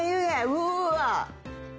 うわ。